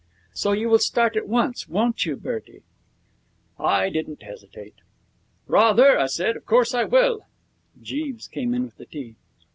'So you will start at once, won't you, Bertie?' I didn't hesitate. 'Rather!' I said. 'Of course I will' Jeeves came in with the tea.